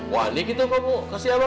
wah ini gitu kamu kasih apa